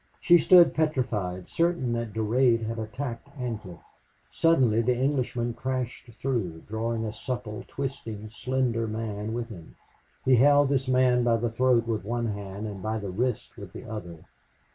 She stood petrified, certain that Durade had attacked Ancliffe. Suddenly the Englishman crashed through, drawing a supple, twisting, slender man with him. He held this man by the throat with one hand and by the wrist with the other.